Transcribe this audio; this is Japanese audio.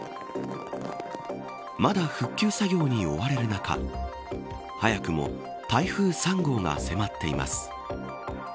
まだ復旧作業に追われる中早くも台風３号が迫っています。